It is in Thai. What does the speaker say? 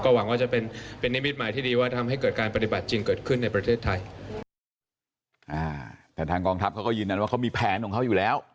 ก็หวังว่าจะเป็นมิตรหมายที่ดีว่าทำให้เกิดการปฏิบัติจริงเกิดขึ้นในประเทศไทย